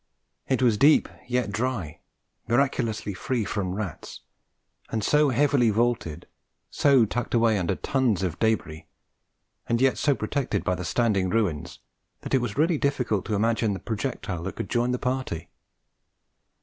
It was deep yet dry, miraculously free from rats, and so very heavily vaulted, so tucked away under tons of débris, and yet so protected by the standing ruins, that it was really difficult to imagine the projectile that could join the party.